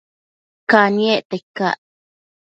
Caniecta icac?